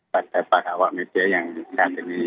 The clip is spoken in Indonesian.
pada para awak media yang saat ini